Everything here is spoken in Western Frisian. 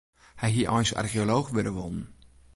Hy hie eins archeolooch wurde wollen.